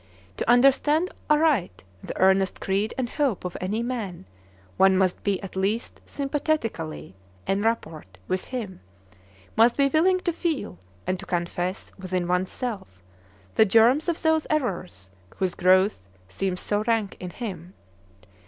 To understand aright the earnest creed and hope of any man, one must be at least sympathetically en rapport with him, must be willing to feel, and to confess within one's self, the germs of those errors whose growth seems so rank in him.